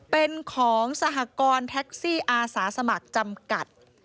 เป็นของสหกรณ์แท็กซี่อาสาสมัครจำกัด